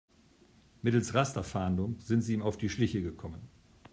Mittels Rasterfahndung sind sie ihm auf die Schliche gekommen.